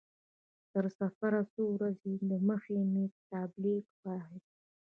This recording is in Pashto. تر سفر څو ورځې دمخه مې ټابلیټ واخیست.